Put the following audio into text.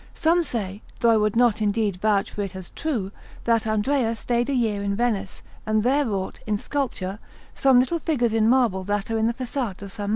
Some say, although I would not indeed vouch for it as true, that Andrea stayed a year in Venice, and there wrought, in sculpture, some little figures in marble that are in the façade of S.